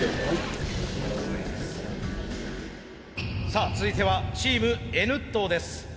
さあ続いてはチームＮットーです。